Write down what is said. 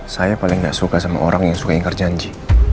saya paling tidak suka sama orang yang suka ingkar janji